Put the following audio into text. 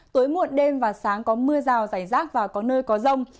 tối muộn đêm và sáng có mưa rào rải rác và có nơi có rông